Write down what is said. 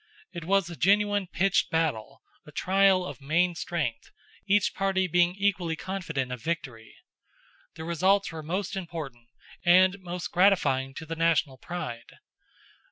It was a genuine pitched battle—a trial of main strength, each party being equally confident of victory. The results were most important, and most gratifying to the national pride.